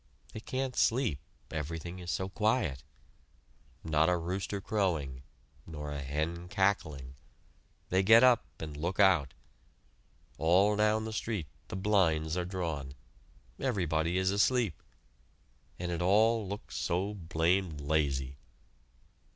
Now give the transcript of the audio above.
They can't sleep, everything is so quiet. Not a rooster crowing. Nor a hen cackling! They get up and look out. All down the street the blinds are drawn. Everybody is asleep and it all looks so blamed lazy.